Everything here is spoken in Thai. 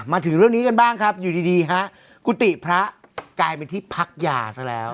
มาถึงเรื่องนี้กันบ้างครับอยู่ดีฮะกุฏิพระกลายเป็นที่พักยาซะแล้ว